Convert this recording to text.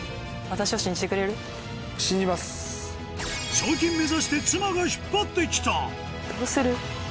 賞金目指して妻が引っ張ってきた！